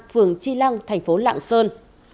phường chi lăng thành phố lạng sơn